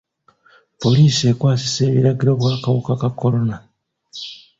Poliisi ekwasisa ebiragiro bw'akawuka ka kolona.